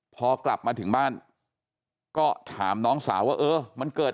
พอกลับมาถึงบ้านก็ถามน้องสาวเข้ามันเกิดอะไรยังไงขึ้นนี่